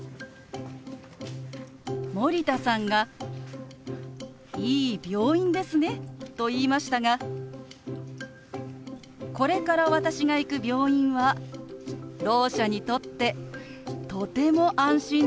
森田さんが「いい病院ですね」と言いましたがこれから私が行く病院はろう者にとってとても安心できる病院なんです。